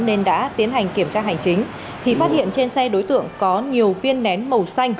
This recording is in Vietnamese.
nên đã tiến hành kiểm tra hành chính thì phát hiện trên xe đối tượng có nhiều viên nén màu xanh